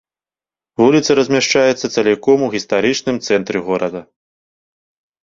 Вуліца размяшчаецца цаліком у гістарычным цэнтры горада.